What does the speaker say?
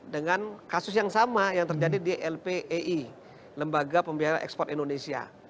dengan kasus yang sama yang terjadi di lpei lembaga pembiayaan ekspor indonesia